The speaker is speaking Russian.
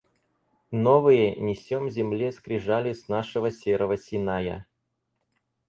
Новые несем земле скрижали с нашего серого Синая.